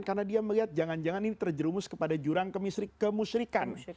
karena dia melihat jangan jangan ini terjerumus kepada jurang kemusyrikan